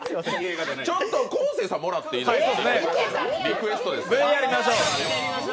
昴生さん、もらっていいですか？